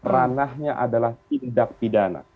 ranahnya adalah tindak pidana